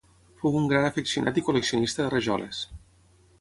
Fou un gran afeccionat i col·leccionista de rajoles.